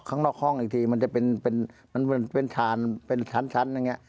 ข้างนอกห้องอีกทีมันจะเป็นเป็นเป็นเป็นชานเป็นชั้นชั้นอย่างเงี้ย